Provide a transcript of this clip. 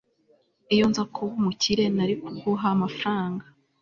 iyo nza kuba umukire, nari kuguha amafaranga